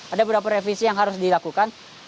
ada beberapa revisi yang harus dilakukan